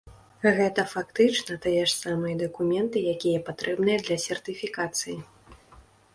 Гэта фактычна тыя ж самыя дакументы, якія патрэбныя для сертыфікацыі.